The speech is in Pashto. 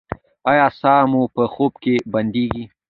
ایا ساه مو په خوب کې بندیږي؟